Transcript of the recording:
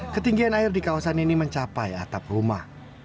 ketinggian air di kawasan ini mencapai atap rumah